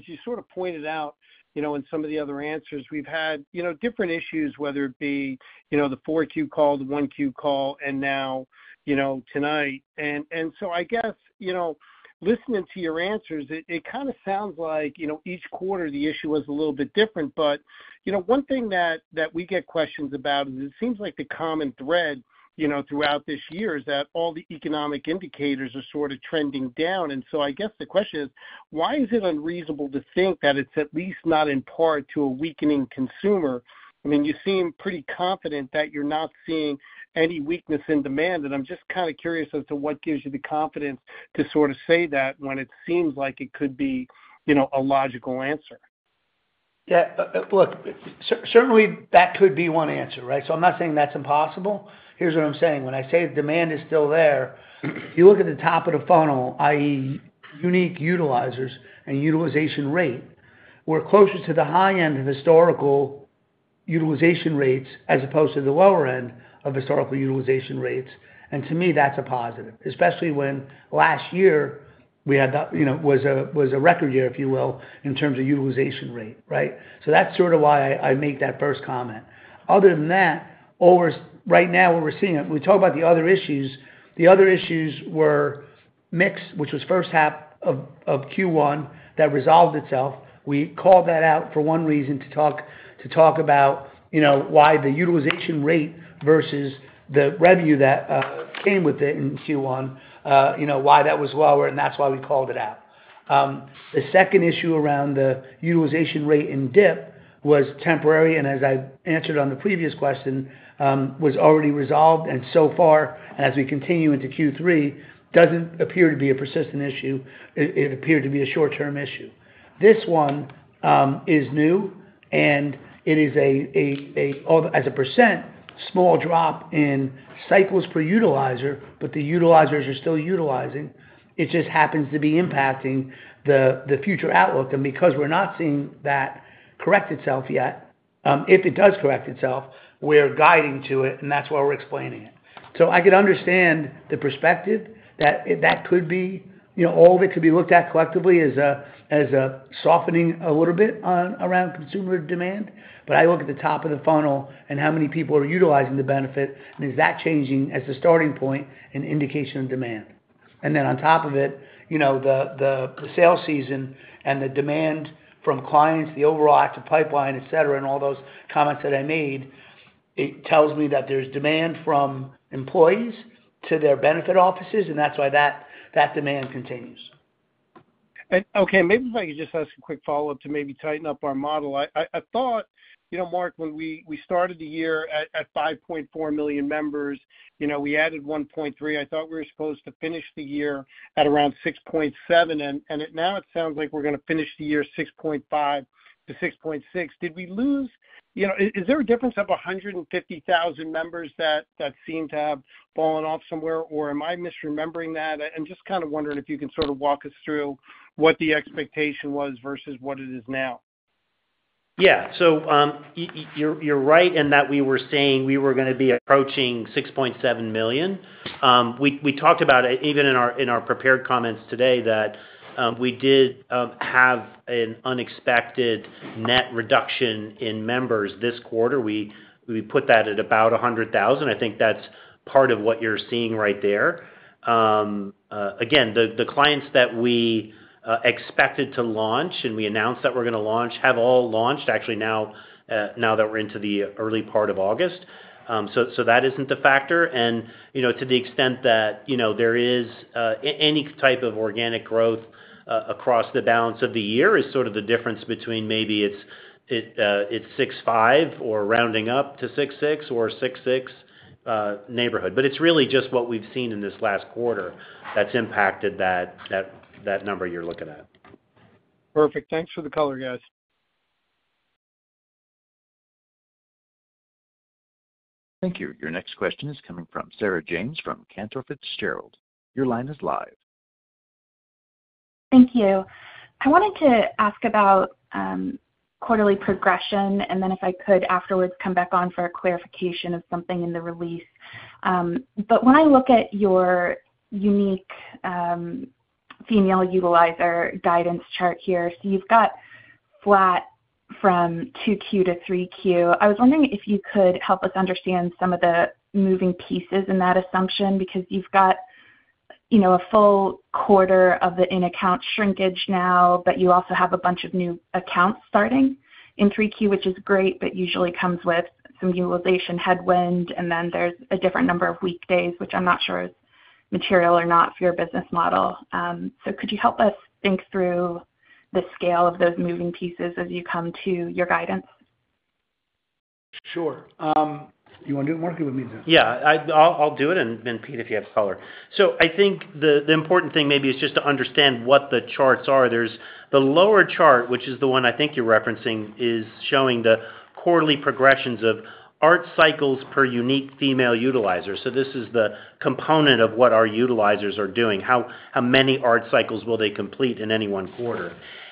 you sort of pointed out, you know, in some of the other answers, we've had, you know, different issues, whether it be, you know, the 4Q call, the 1Q call, and now, you know, tonight. And so I guess, you know, listening to your answers, it kind of sounds like, you know, each quarter, the issue is a little bit different. But you know, one thing that we get questions about, and it seems like the common thread, you know, throughout this year, is that all the economic indicators are sort of trending down. And so I guess the question is: Why is it unreasonable to think that it's at least not in part due to a weakening consumer? I mean, you seem pretty confident that you're not seeing any weakness in demand, and I'm just kind of curious as to what gives you the confidence to sort of say that, when it seems like it could be, you know, a logical answer. Yeah, look, certainly, that could be one answer, right? So I'm not saying that's impossible. Here's what I'm saying. When I say the demand is still there, if you look at the top of the funnel, i.e., unique utilizers and utilization rate, we're closer to the high end of historical utilization rates as opposed to the lower end of historical utilization rates. And to me, that's a positive, especially when last year, we had the, you know, was a record year, if you will, in terms of utilization rate, right? So that's sort of why I make that first comment. Other than that, right now, what we're seeing. We talked about the other issues, the other issues were mixed, which was first half of Q1, that resolved itself. We called that out for one reason, to talk about, you know, why the utilization rate versus the revenue that came with it in Q1, you know, why that was lower, and that's why we called it out. The second issue around the utilization rate dip was temporary, and as I answered on the previous question, was already resolved, and so far, as we continue into Q3, doesn't appear to be a persistent issue. It appeared to be a short-term issue. This one is new, and it is a small drop in cycles per utilizer, as a percent, but the utilizers are still utilizing. It just happens to be impacting the future outlook. And because we're not seeing that correct itself yet, if it does correct itself, we're guiding to it, and that's why we're explaining it. So I could understand the perspective that if that could be, you know, all of it could be looked at collectively as a softening a little bit on, around consumer demand. But I look at the top of the funnel and how many people are utilizing the benefit, and is that changing as a starting point, an indication of demand? And then on top of it, you know, the sales season and the demand from clients, the overall active pipeline, et cetera, and all those comments that I made, it tells me that there's demand from employees to their benefit offices, and that's why that demand continues. Okay, maybe if I could just ask a quick follow-up to maybe tighten up our model. I thought, you know, Mark, when we started the year at 5.4 million members, you know, we added 1.3. I thought we were supposed to finish the year at around 6.7, and it now sounds like we're gonna finish the year 6.5-6.6. Did we lose... You know, is there a difference of 150,000 members that seem to have fallen off somewhere, or am I misremembering that? I'm just kind of wondering if you can sort of walk us through what the expectation was versus what it is now. Yeah. So, you're right in that we were saying we were gonna be approaching 6.7 million. We talked about, even in our prepared comments today, that we did have an unexpected net reduction in members this quarter. We put that at about 100,000. I think that's part of what you're seeing right there. Again, the clients that we expected to launch and we announced that we're gonna launch, have all launched, actually, now that we're into the early part of August. So, that isn't a factor. You know, to the extent that, you know, there is any type of organic growth across the balance of the year is sort of the difference between maybe it's 65 or rounding up to 66 or 66 neighborhood. But it's really just what we've seen in this last quarter that's impacted that number you're looking at. Perfect. Thanks for the color, guys. Thank you. Your next question is coming from Sarah James from Cantor Fitzgerald. Your line is live. Thank you. I wanted to ask about quarterly progression, and then if I could afterwards come back on for a clarification of something in the release. But when I look at your unique female utilizer guidance chart here, so you've got flat from 2Q-3Q. I was wondering if you could help us understand some of the moving pieces in that assumption, because you've got, you know, a full quarter of the in-account shrinkage now, but you also have a bunch of new accounts starting in 3Q, which is great, but usually comes with some utilization headwind, and then there's a different number of weekdays, which I'm not sure is material or not for your business model. So could you help us think through the scale of those moving pieces as you come to your guidance? Sure. You wanna do it, Mark, or you want me to? Yeah, I'll do it and Pete, if you have color. So I think the important thing maybe is just to understand what the charts are. There's the lower chart, which is the one I think you're referencing, is showing the quarterly progressions of ART cycles per unique female utilizer. So this is the component of what our utilizers are doing, how many ART cycles will they complete in any one quarter.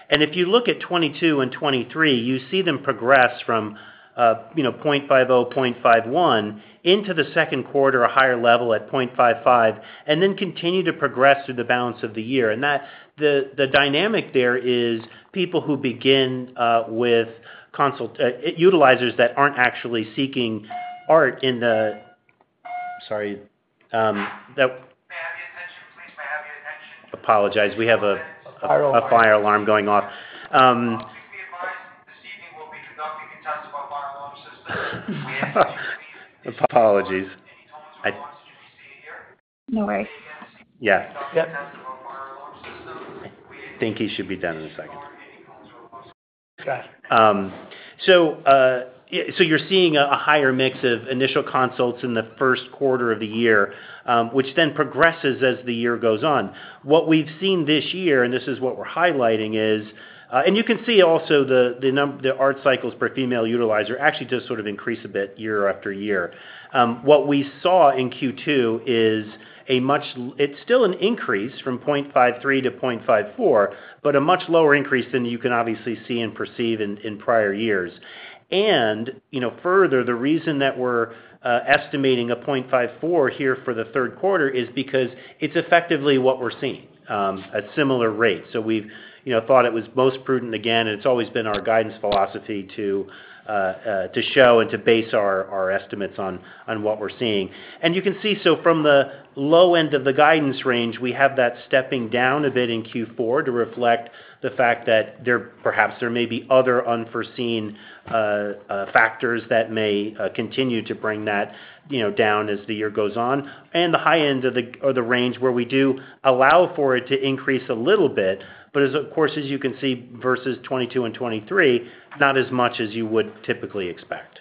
And if you look at 2022 and 2023, you see them progress from 0.50, 0.51, into the second quarter, a higher level at 0.55, and then continue to progress through the balance of the year. And that the dynamic there is people who begin with consult utilizers that aren't actually seeking ART in the, sorry, that- May I have your attention, please? May I have your attention? Apologies. We have a- A fire alarm.... a fire alarm going off. Apologies. No worries. Yeah. Yep. I think he should be done in a second. Got it. So, yeah, so you're seeing a higher mix of initial consults in the first quarter of the year, which then progresses as the year goes on. What we've seen this year, and this is what we're highlighting, is, and you can see also the ART cycles per female utilizer actually does sort of increase a bit year after year. What we saw in Q2 is a much lower increase. It's still an increase from 0.53-0.54, but a much lower increase than you can obviously see and perceive in prior years. You know, further, the reason that we're estimating 0.54 here for the third quarter is because it's effectively what we're seeing at similar rates. So we've, you know, thought it was most prudent again, and it's always been our guidance philosophy to show and to base our estimates on what we're seeing. And you can see, so from the low end of the guidance range, we have that stepping down a bit in Q4 to reflect the fact that there, perhaps there may be other unforeseen factors that may continue to bring that, you know, down as the year goes on. And the high end of the range, where we do allow for it to increase a little bit, but as, of course, as you can see, versus 2022 and 2023, not as much as you would typically expect.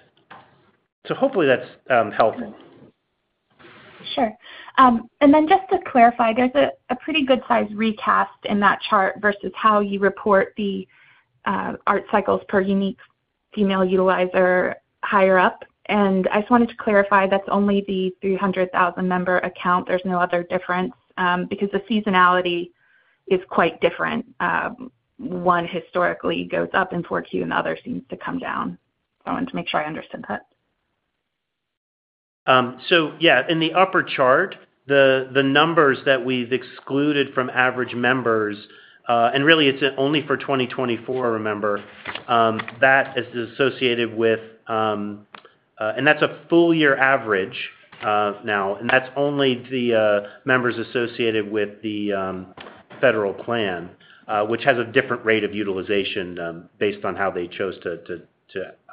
So hopefully that's helpful.... Sure. Then just to clarify, there's a pretty good size recast in that chart versus how you report the ART cycles per unique female utilizer higher up. I just wanted to clarify, that's only the 300,000 member account. There's no other difference, because the seasonality is quite different. One historically goes up in 4Q, and the other seems to come down. I wanted to make sure I understood that. So yeah, in the upper chart, the numbers that we've excluded from average members, and really, it's only for 2024, remember, that is associated with, and that's a full year average, now, and that's only the members associated with the federal plan, which has a different rate of utilization, based on how they chose to.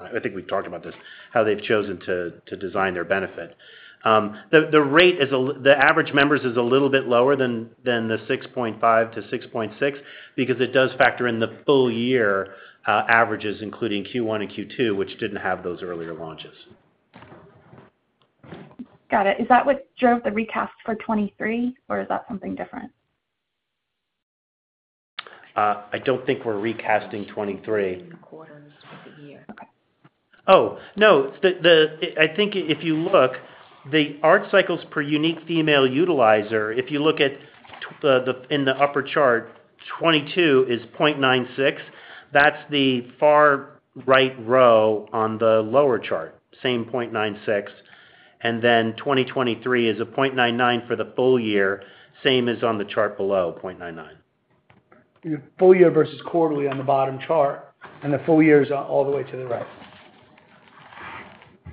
I think we've talked about this, how they've chosen to design their benefit. The average members is a little bit lower than the 6.5-6.6, because it does factor in the full year averages, including Q1 and Q2, which didn't have those earlier launches. Got it. Is that what drove the recast for 2023, or is that something different? I don't think we're recasting 23. Quarters of the year. Oh, no. I think if you look, the ART cycles per unique female utilizer in the upper chart, 2022 is 0.96. That's the far right row on the lower chart, same 0.96, and then 2023 is 0.99 for the full year, same as on the chart below, 0.99. The full year versus quarterly on the bottom chart, and the full year is all the way to the right.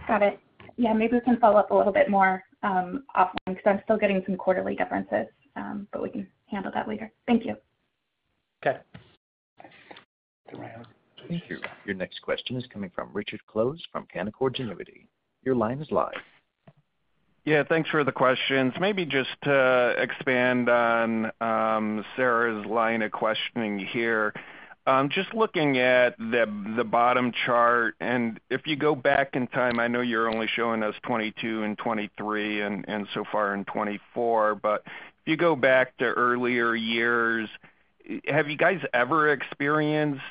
Got it. Yeah, maybe we can follow up a little bit more, offline, because I'm still getting some quarterly differences, but we can handle that later. Thank you. Okay. Thank you. Your next question is coming from Richard Close from Canaccord Genuity. Your line is live. Yeah, thanks for the questions. Maybe just to expand on, Sarah's line of questioning here. Just looking at the, the bottom chart, and if you go back in time, I know you're only showing us 2022 and 2023 and, and so far in 2024, but if you go back to earlier years, have you guys ever experienced,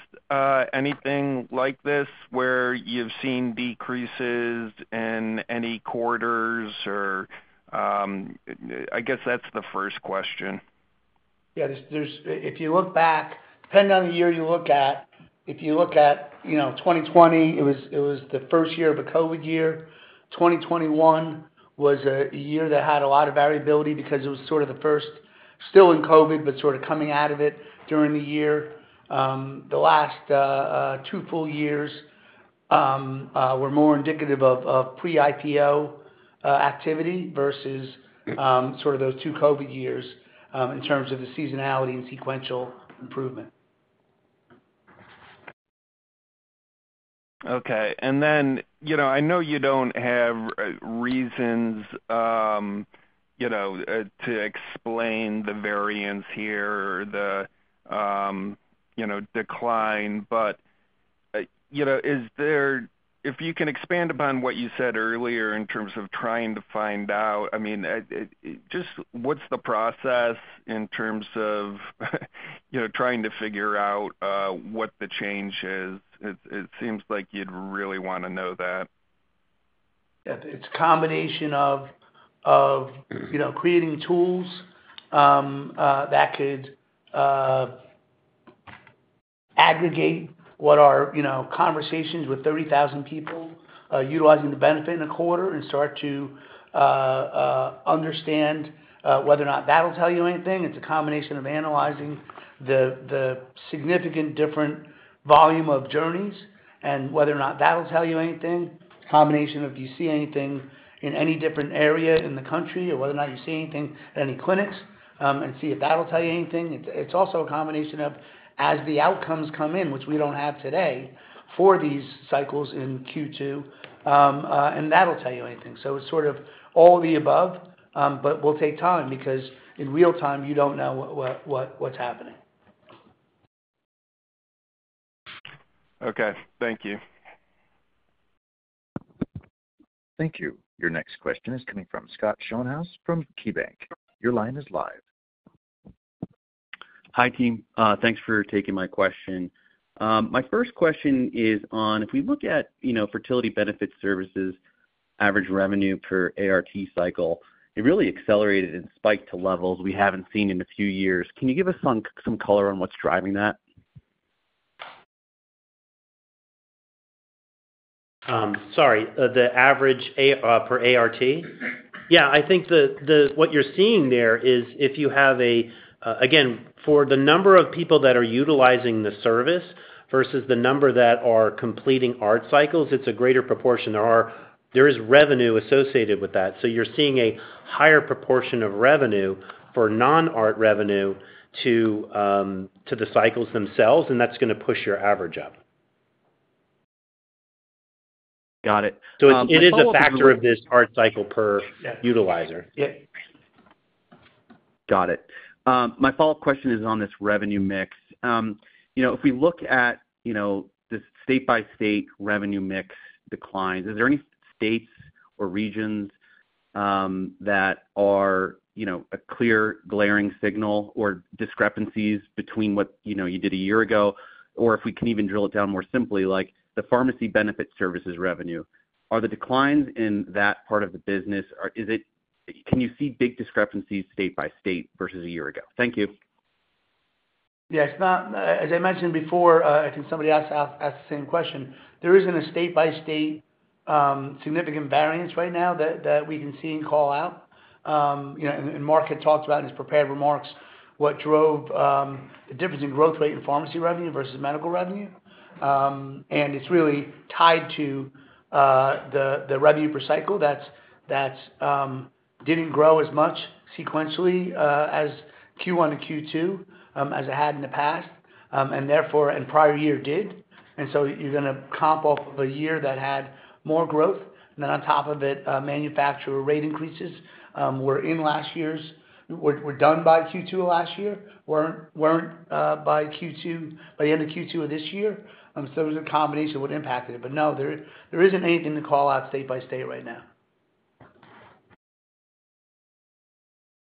anything like this, where you've seen decreases in any quarters or, I guess that's the first question. Yeah, there's – if you look back, depending on the year you look at, if you look at, you know, 2020, it was the first year of a COVID year. 2021 was a year that had a lot of variability because it was sort of the first, still in COVID, but sort of coming out of it during the year. The last two full years were more indicative of pre-IPO activity versus those two COVID years in terms of the seasonality and sequential improvement. Okay. And then, you know, I know you don't have reasons to explain the variance here or the, you know, decline, but, you know, is there if you can expand upon what you said earlier in terms of trying to find out, I mean, just what's the process in terms of, you know, trying to figure out what the change is? It seems like you'd really want to know that. Yeah. It's a combination of, you know, creating tools that could aggregate what are, you know, conversations with 30,000 people utilizing the benefit in a quarter and start to understand whether or not that'll tell you anything. It's a combination of analyzing the significant different volume of journeys and whether or not that'll tell you anything. Combination of, do you see anything in any different area in the country, or whether or not you see anything at any clinics, and see if that'll tell you anything. It's also a combination of as the outcomes come in, which we don't have today, for these cycles in Q2, and that'll tell you anything. So it's sort of all of the above, but will take time, because in real time, you don't know what what's happening. Okay. Thank you. Thank you. Your next question is coming from Scott Schoenhaus from KeyBanc. Your line is live. Hi, team. Thanks for taking my question. My first question is on if we look at, you know, fertility benefit services, average revenue per ART cycle, it really accelerated and spiked to levels we haven't seen in a few years. Can you give us some color on what's driving that? Sorry, the average per ART? Yeah, I think the... What you're seeing there is if you have a, again, for the number of people that are utilizing the service versus the number that are completing ART cycles, it's a greater proportion. There is revenue associated with that, so you're seeing a higher proportion of revenue for non-ART revenue to the cycles themselves, and that's gonna push your average up. Got it. It is a factor of this ART cycle per utilizer. Yeah.... Got it. My follow-up question is on this revenue mix. You know, if we look at this state-by-state revenue mix declines, is there any states or regions that are a clear glaring signal or discrepancies between what you did a year ago? Or if we can even drill it down more simply, like the pharmacy benefit services revenue, are the declines in that part of the business or is it, can you see big discrepancies state by state versus a year ago? Thank you. Yeah, it's not, as I mentioned before, I think somebody asked the same question. There isn't a state-by-state significant variance right now that we can see and call out. You know, and Mark had talked about in his prepared remarks what drove the difference in growth rate in pharmacy revenue versus medical revenue. And it's really tied to the revenue per cycle that didn't grow as much sequentially as Q1 and Q2 as it had in the past, and therefore prior year did. And so you're gonna comp off of a year that had more growth, and then on top of it, manufacturer rate increases were done by Q2 of last year, weren't by the end of Q2 of this year. So, it was a combination of what impacted it, but no, there, there isn't anything to call out state by state right now.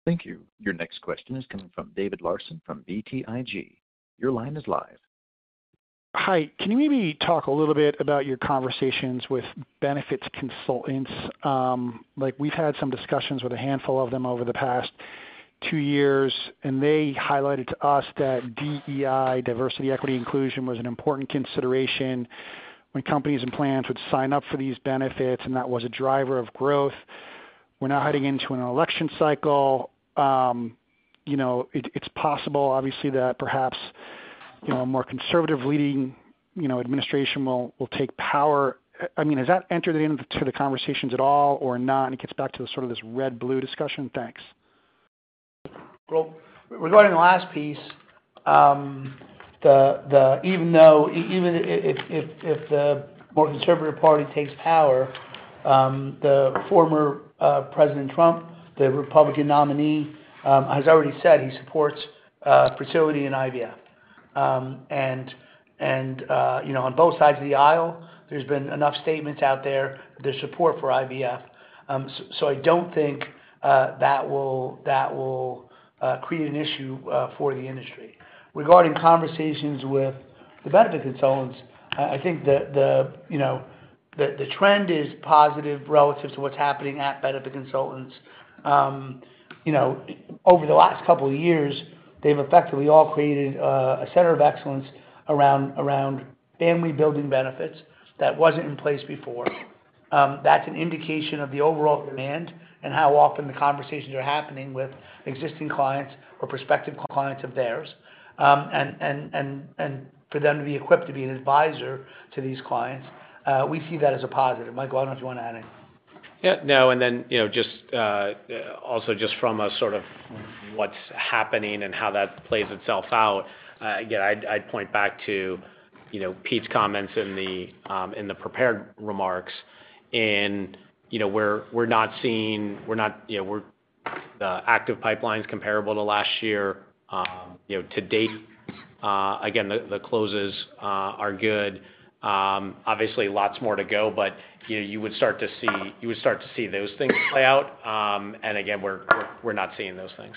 Thank you. Your next question is coming from David Larsen from BTIG. Your line is live. Hi, can you maybe talk a little bit about your conversations with benefits consultants? Like, we've had some discussions with a handful of them over the past two years, and they highlighted to us that DEI, diversity, equity, inclusion, was an important consideration when companies and plans would sign up for these benefits, and that was a driver of growth. We're now heading into an election cycle, you know, it's possible, obviously, that perhaps, you know, a more conservative leading, you know, administration will take power. I mean, has that entered into the conversations at all or not? It gets back to sort of this red-blue discussion. Thanks. Well, regarding the last piece, even though even if the more conservative party takes power, the former President Trump, the Republican nominee, has already said he supports fertility and IVF. And you know, on both sides of the aisle, there's been enough statements out there, there's support for IVF. So I don't think that will create an issue for the industry. Regarding conversations with the benefit consultants, I think that you know, the trend is positive relative to what's happening at benefit consultants. You know, over the last couple of years, they've effectively all created a center of excellence around family building benefits that wasn't in place before. That's an indication of the overall demand and how often the conversations are happening with existing clients or prospective clients of theirs. And for them to be equipped to be an advisor to these clients, we see that as a positive. Michael, why don't you want to add anything? Yeah, no, and then, you know, just also just from a sort of what's happening and how that plays itself out, again, I'd point back to, you know, Pete's comments in the prepared remarks. And, you know, we're not seeing... We're not, you know, the active pipeline's comparable to last year, you know, to date. Again, the closes are good. Obviously, lots more to go, but, you know, you would start to see those things play out. And again, we're not seeing those things.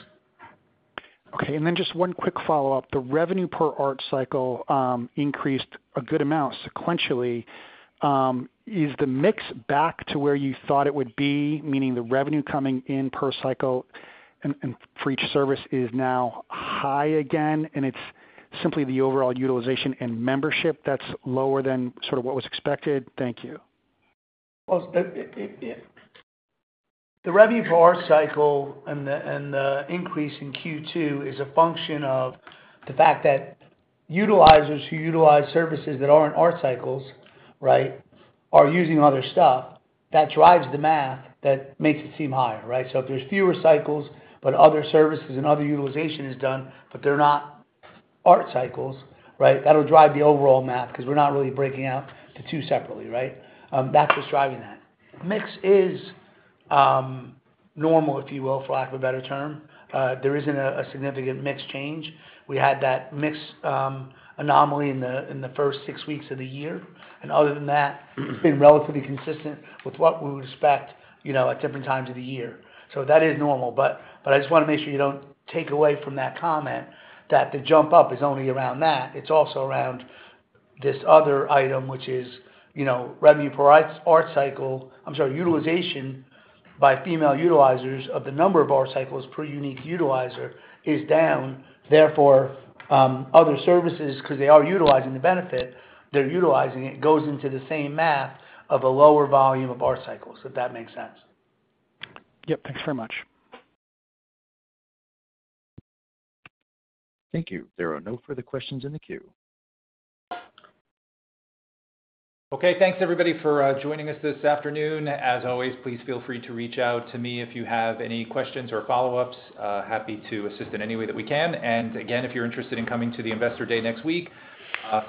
Okay, and then just one quick follow-up. The revenue per ART cycle increased a good amount sequentially. Is the mix back to where you thought it would be? Meaning the revenue coming in per cycle and for each service is now high again, and it's simply the overall utilization and membership that's lower than sort of what was expected? Thank you. Well, the revenue per ART cycle and the increase in Q2 is a function of the fact that utilizers who utilize services that aren't ART cycle, right, are using other stuff that drives the math, that makes it seem higher, right? So if there's fewer cycles, but other services and other utilization is done, but they're not ART cycle, right? That'll drive the overall math because we're not really breaking out the two separately, right? That's what's driving that. Mix is normal, if you will, for lack of a better term. There isn't a significant mix change. We had that mix anomaly in the first six weeks of the year, and other than that, it's been relatively consistent with what we would expect, you know, at different times of the year. So that is normal, but, but I just wanna make sure you don't take away from that comment that the jump up is only around that. It's also around this other item, which is, you know, revenue per ART, ART cycle. I'm sorry, utilization by female utilizers of the number of ART cycles per unique utilizer is down. Therefore, other services, 'cause they are utilizing the benefit, they're utilizing it, goes into the same math of a lower volume of ART cycles, if that makes sense. Yep. Thank you very much. Thank you. There are no further questions in the queue. Okay, thanks, everybody, for joining us this afternoon. As always, please feel free to reach out to me if you have any questions or follow-ups. Happy to assist in any way that we can. And again, if you're interested in coming to the Investor Day next week,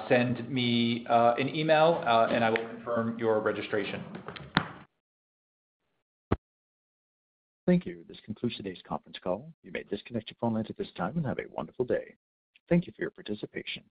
send me an email, and I will confirm your registration. Thank you. This concludes today's conference call. You may disconnect your phone line at this time and have a wonderful day. Thank you for your participation.